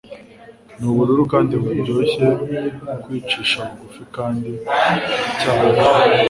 Nubururu kandi buryoshye kwicisha bugufi kandi biracyahari